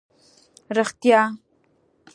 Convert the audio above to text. رېښتیا؟!